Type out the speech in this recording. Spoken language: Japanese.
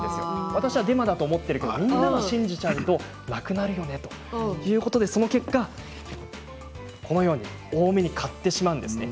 私はデマだと思っているけれどもみんなが信じちゃうとなくなるよねということでその結果このように多めに買ってしまうんですね。